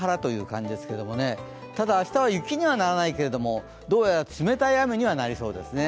ただ、明日は雪にはならないけれどもどうやら冷たい雨にはなりそうですね。